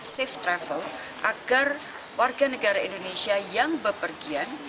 safe travel agar warga negara indonesia yang bepergian